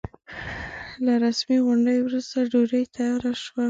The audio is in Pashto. له رسمي غونډې وروسته ډوډۍ تياره شوه.